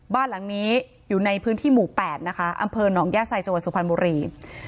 บ้านหลังนี้อยู่ในพื้นที่หมู่๘นะคะอำเภอหนองย่าไซจังหวัดสุพรรณบุรี